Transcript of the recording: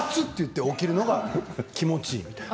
途中で暑いと言って起きるのが気持ちいい。